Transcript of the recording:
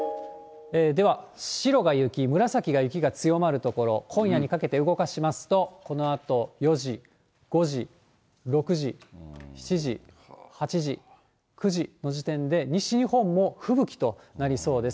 では白が雪、紫が雪が強まる所、今夜にかけて動かしますと、このあと４時、５時、６時、７時、８時、９時の時点で、西日本も吹雪となりそうです。